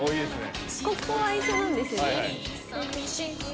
ここは一緒なんですよね。